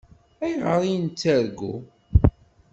Ayɣer ay nettargu?